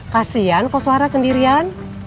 kasian kok suara sendirian